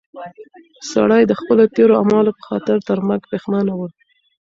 سړی د خپلو تېرو اعمالو په خاطر تر مرګ پښېمانه و.